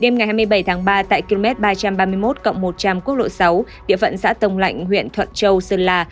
đêm ngày hai mươi bảy tháng ba tại km ba trăm ba mươi một một trăm linh quốc lộ sáu địa phận xã tông lạnh huyện thuận châu sơn la